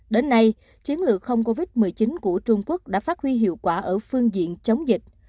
đến nay chiến lược không covid một mươi chín của trung quốc đã phát huy hiệu quả ở phương diện chống dịch